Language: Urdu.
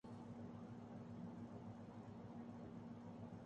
کوویڈ کے سمپٹمپز تھے اج ہی ازاد ہوا ہوں اللہ کا شکر ہے اب